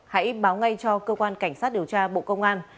hãy báo ngay cho cơ quan cảnh sát điều tra bộ công an